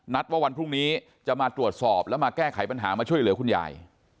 ว่าวันพรุ่งนี้จะมาตรวจสอบแล้วมาแก้ไขปัญหามาช่วยเหลือคุณยาย